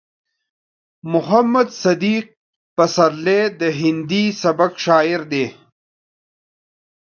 محمد صديق پسرلی د هندي سبک شاعر دی.